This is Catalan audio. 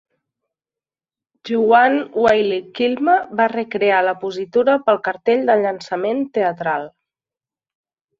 Joanne Whalley-Kilmer va recrear la positura pel cartell de llançament teatral.